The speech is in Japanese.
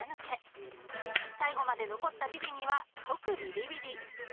［最後まで残ったビリには即ビリビリ］